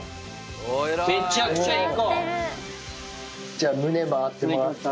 じゃあ胸回ってもらって。